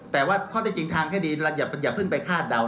แต่ว่าข้อที่จริงทางคดีเราอย่าเพิ่งไปคาดเดา